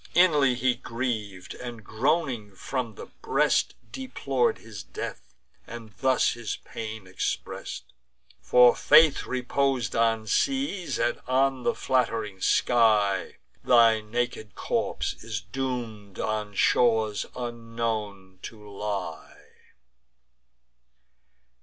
Inly he griev'd, and, groaning from the breast, Deplor'd his death; and thus his pain express'd: "For faith repos'd on seas, and on the flatt'ring sky, Thy naked corpse is doom'd on shores unknown to lie."